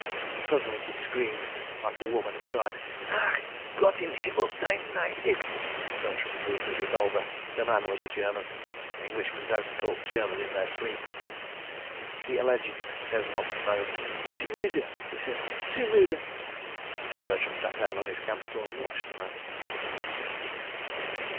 Suddenly he screamed like a woman and cried: "Ach! Gott in Himmel! Nein, Nein! Ich ..." Bertram drew his revolver. The man was a German. Englishmen don't talk German in their sleep. The alleged Desmont moaned. "Zu müde," he said. "Zu müde." ... Bertram sat down on his camp stool and watched the man.